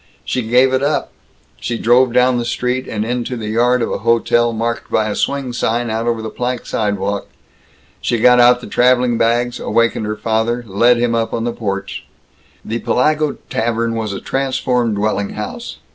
She gave it up. She drove down the street and into the yard of a hotel marked by a swing sign out over the plank sidewalk. She got out the traveling bags, awakened her father, led him up on the porch. The Pellago Tavern was a transformed dwelling house.